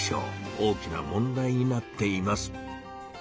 大きな問題になっています。